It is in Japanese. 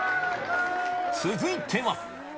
続いては。